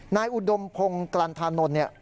นายอุดมพงศ์กลานธานนทร์